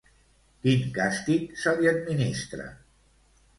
Quin càstig se li administra?